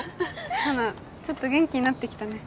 ハナちょっと元気になってきたね